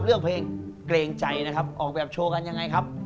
เรื่องเพลงเกรงใจนะครับออกแบบโชว์กันยังไงครับ